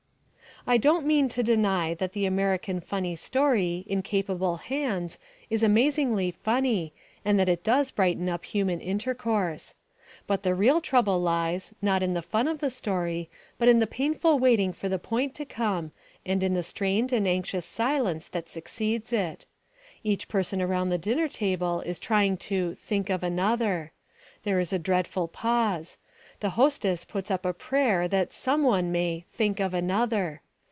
I don't mean to deny that the American funny story, in capable hands, is amazingly funny and that it does brighten up human intercourse. But the real trouble lies, not in the fun of the story, but in the painful waiting for the point to come and in the strained and anxious silence that succeeds it. Each person around the dinner table is trying to "think of another." There is a dreadful pause. The hostess puts up a prayer that some one may "think of another."